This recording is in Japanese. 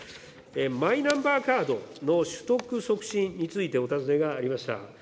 マイナンバーカードの取得促進についてお尋ねがありました。